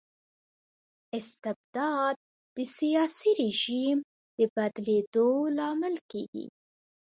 استبداد د سياسي رژيم د بدلیدو لامل کيږي.